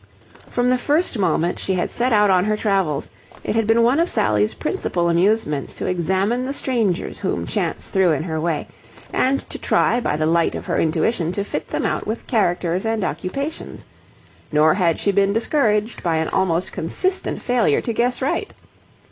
From the first moment she had set out on her travels, it had been one of Sally's principal amusements to examine the strangers whom chance threw in her way and to try by the light of her intuition to fit them out with characters and occupations: nor had she been discouraged by an almost consistent failure to guess right.